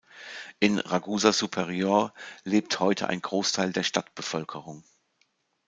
In Ragusa Superiore lebt heute ein Großteil der Stadtbevölkerung.